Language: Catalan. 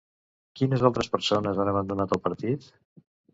Quines altres persones han abandonat el partit?